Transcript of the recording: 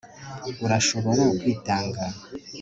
urashobora kwitanga